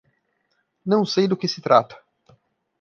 Não sei do que se trata.